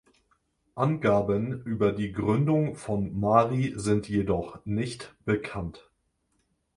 Angaben über die Gründung von Mari sind jedoch nicht bekannt.